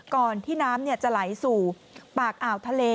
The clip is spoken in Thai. ก่อนที่น้ำจะไหลสู่ปากอ่าวทะเล